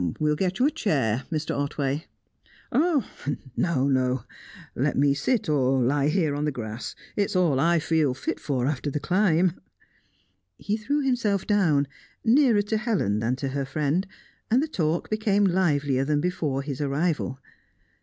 "We'll get you a chair, Mr. Otway " "No, no! Let me sit or lie here on the grass. It's all I feel fit for after the climb." He threw himself down, nearer to Helen than to her friend, and the talk became livelier than before his arrival.